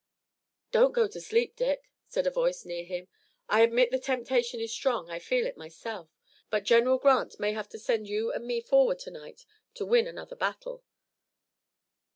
"Don't go to sleep, Dick," said a voice near him. "I admit the temptation is strong. I feel it myself, but General Grant may have to send you and me forward to night to win another battle."